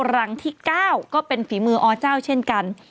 รังที่๙ก็เป็นฝีมืออเจ้าเช่นกัน